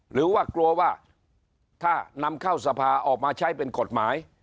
หรือว่ากลัวว่าถ้านำเข้าสภาออกมาใช้เป็นกฎหมาย